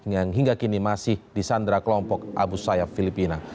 yang hingga kini masih di sandra kelompok abu sayyaf filipina